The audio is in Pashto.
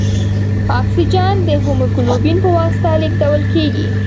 اکسیجن د هیموګلوبین په واسطه لېږدوال کېږي.